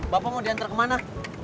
bapak mau dianter ke mana